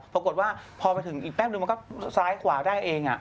ปรากฏว่าพอมาถึงอีกแป๊บนึงมันก็ซ้ายขวาได้เอง